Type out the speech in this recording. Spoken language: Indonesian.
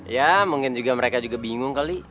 ya mungkin juga mereka juga bingung kali